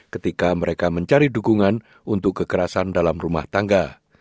ketika mereka mencari dukungan untuk kekerasan dalam rumah tangga